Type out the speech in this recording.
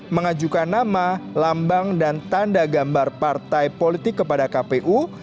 mengajukan nama lambang dan tanda gambar partai politik kepada kpu